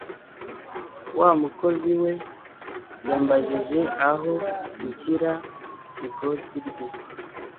Wa mukozi we yambajije aho nshyira ikoti rye.